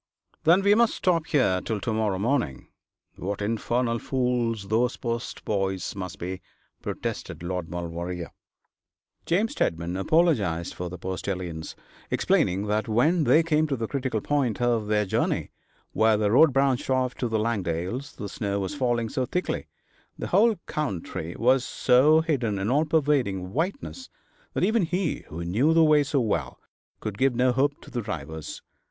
'Then we must stop here till to morrow morning. What infernal fools those post boys must be,' protested Lord Maulevrier. James Steadman apologised for the postilions, explaining that when they came to the critical point of their journey, where the road branched off to the Langdales, the snow was falling so thickly, the whole country was so hidden in all pervading whiteness, that even he, who knew the way so well, could give no help to the drivers.